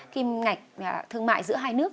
kim ngạch thương mại giữa hai nước